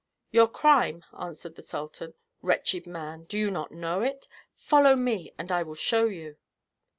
"Your crime," answered the sultan, "wretched man! do you not know it? Follow me, and I will show you."